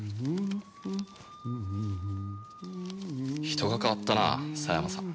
人が変わったな狭山さん。